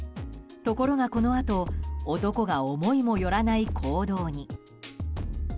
ところが、このあと男が思いもよらない行動に。